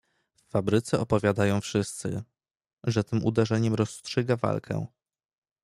"W fabryce opowiadają wszyscy, że tym uderzeniem rozstrzyga walkę."